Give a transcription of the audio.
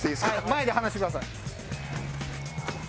前で離してください。